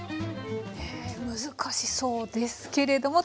へえ難しそうですけれども。